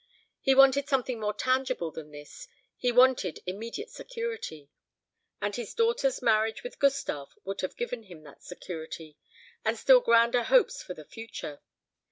He wanted something more tangible than this he wanted immediate security; and his daughter's marriage with Gustave would have given him that security, and still grander hopes for the future.